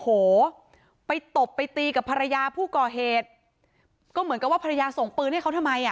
โหไปตบไปตีกับภรรยาผู้ก่อเหตุก็เหมือนกับว่าภรรยาส่งปืนให้เขาทำไมอ่ะ